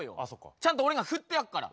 ちゃんと俺が振ってやっから。